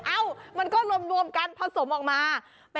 เอ้ามันก็รวมกันผสมออกมา